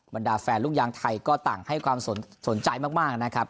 บรรดาแฟนลูกยางไทยก็ต่างให้ความสนใจมากนะครับ